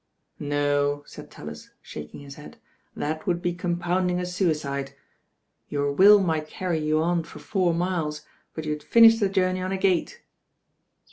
"No," taid Talli., shaking his head, "that would be compounding a suicide. Your will might carry you on for four miles; but you'd finish the journey on a gate."